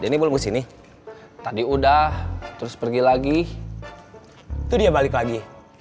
deni bos ini tadi udah terus pergi lagi itu dia balik lagi